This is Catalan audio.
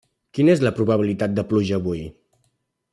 Quina és la probabilitat de pluja avui?